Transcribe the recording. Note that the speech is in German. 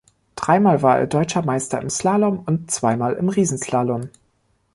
Dreimal war er Deutscher Meister im Slalom und zweimal im Riesenslalom.